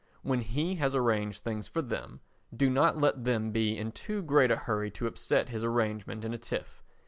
When He has arranged things for them, do not let them be in too great a hurry to upset His arrangement in a tiff.